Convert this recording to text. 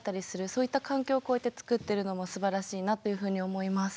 そういった環境をこうやって作ってるのもすばらしいなというふうに思います。